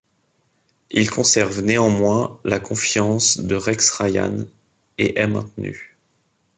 Il conserve néanmoins la confiance de Rex Ryan, et est maintenu.